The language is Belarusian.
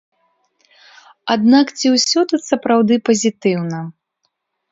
Аднак ці ўсё тут сапраўды пазітыўна?